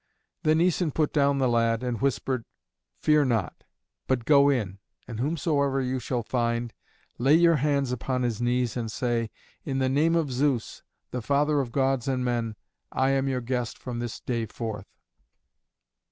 Then Æson put down the lad, and whispered, "Fear not, but go in, and whomsoever you shall find, lay your hands upon his knees and say, 'In the name of Zeus, the father of gods and men, I am your guest from this day forth.'"